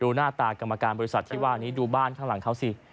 หน้าตากรรมการบริษัทที่ว่านี้ดูบ้านข้างหลังเขาสิ